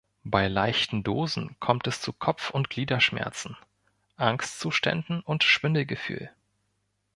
Bei leichten Dosen kommt es zu Kopf- und Gliederschmerzen, Angstzuständen und Schwindelgefühl.